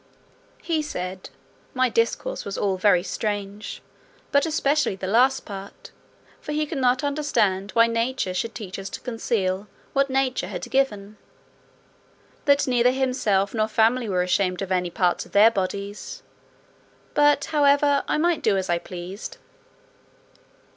He said, "my discourse was all very strange, but especially the last part; for he could not understand, why nature should teach us to conceal what nature had given; that neither himself nor family were ashamed of any parts of their bodies; but, however, I might do as I pleased."